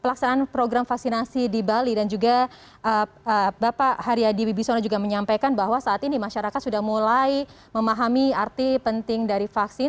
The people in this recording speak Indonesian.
pelaksanaan program vaksinasi di bali dan juga bapak haryadi wibisono juga menyampaikan bahwa saat ini masyarakat sudah mulai memahami arti penting dari vaksin